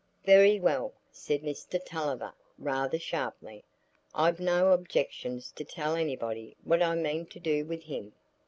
"Very well," said Mr Tulliver, rather sharply, "I've no objections to tell anybody what I mean to do with him.